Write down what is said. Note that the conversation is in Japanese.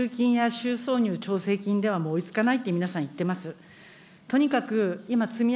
補給金や調整金では、もう追いつかないって、皆さん言っています。